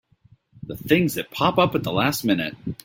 The things that pop up at the last minute!